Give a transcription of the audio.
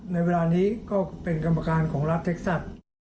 ในเวลานี้ก็เป็นกรรมการของรัฐเท็กซัส